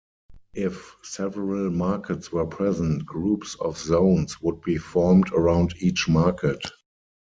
If several markets were present, groups of zones would be formed around each market.